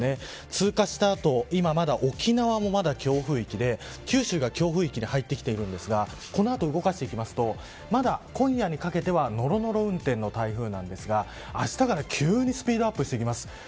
通過した後今、まだ沖縄も強風域で九州が強風域に入ってきているんですがこの後、動かしていくとまだ、今夜にかけてはのろのろ運転の台風なんですがあしたから急にスピードアップしていきます。